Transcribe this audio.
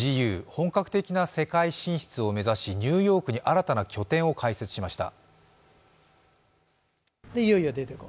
本格的な世界進出を目指しニューヨークに新たな拠点を開設しました。